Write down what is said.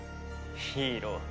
ヒーロー。